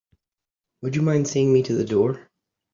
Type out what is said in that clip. Would you mind seeing me to the door?